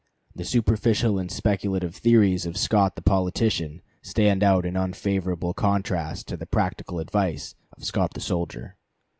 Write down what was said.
The superficial and speculative theories of Scott the politician stand out in unfavorable contrast to the practical advice of Scott the soldier.